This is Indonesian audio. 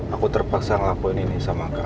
aku terpaksa ngelakuin ini sama kak